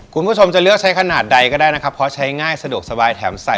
คุณผู้ชมจะเลือกใช้ขนาดใดก็ได้นะครับเพราะใช้ง่ายสะดวกสบายแถมใส่